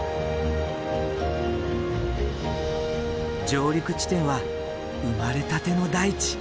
上陸地点は生まれたての大地